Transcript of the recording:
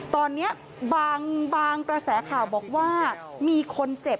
ตอนนี้บางกระแสข่าวบอกว่ามีคนเจ็บ